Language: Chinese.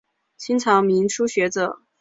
清末民初学者。